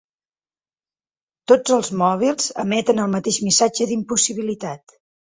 Tots els mòbils emeten el mateix missatge d'impossibilitat.